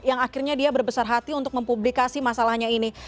yang akhirnya dia berbesar hati untuk mempublikasi masalahnya ini